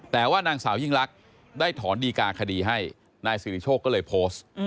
แต่ว่านางสาวยิ่งลักษณ์ได้ถอนดีกาคดีให้นายสิริโชคก็เลยโพสต์